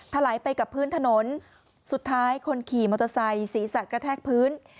ถลายไปกับพื้นถนนสุดท้ายคนขี่มอเตอร์ไซค์ศีรษะกระแทกพื้น